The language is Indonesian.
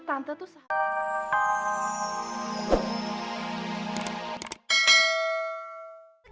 tante tuh sakit